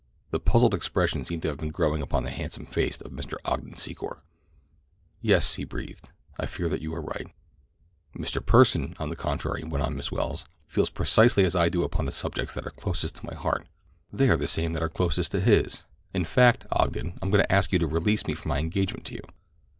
The puzzled expression seemed to have been growing upon the handsome face of Mr. Ogden Secor. "Yes," he breathed, "I fear that you are quite right." "Mr. Pursen, on the contrary," went on Miss Welles, "feels precisely as I do upon the subjects that are closest to my heart—they are the same that are closest to his. In fact, Ogden, I am going to ask you to release me from my engagement to you."